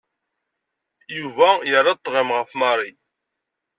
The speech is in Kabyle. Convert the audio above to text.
Yuba yerra-d ṭlem ɣef Mary.